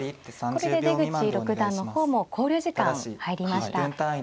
これで出口六段の方も考慮時間入りました。